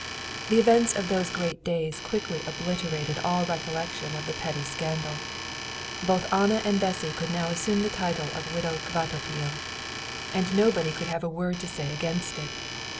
The events of those great days quickly obliterated all recollection of the petty scandal. Both Anna and Bessy could now assume the title of Widow Kvatopil, and nobody could have a word to say against it.